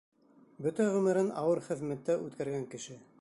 Бөтә ғүмерен ауыр хеҙмәттә үткәргән кеше.